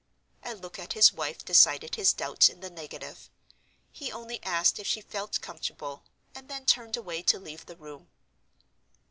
A look at his wife decided his doubts in the negative. He only asked if she felt comfortable; and then turned away to leave the room.